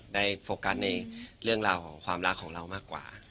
โฟกัสในเรื่องราวของความรักของเรามากกว่า